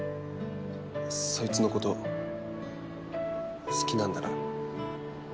そいつのこと好きなんだな